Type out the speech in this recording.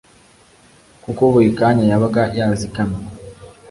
kuko buri kanya yabaga yazikamye